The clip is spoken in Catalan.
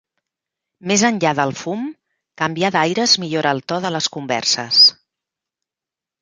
Més enllà del fum, canviar d'aires millora el to de les converses.